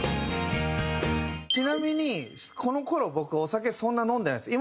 ちなみにこの頃僕お酒そんな飲んでないです。